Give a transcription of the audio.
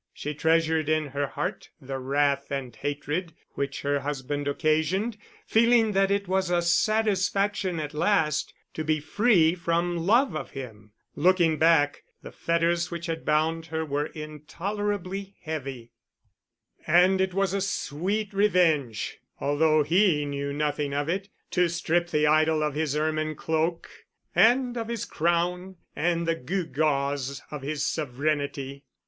She treasured in her heart the wrath and hatred which her husband occasioned, feeling that it was a satisfaction at last to be free from love of him. Looking back, the fetters which had bound her were intolerably heavy. And it was a sweet revenge, although he knew nothing of it, to strip the idol of his ermine cloak, and of his crown, and the gew gaws of his sovereignty.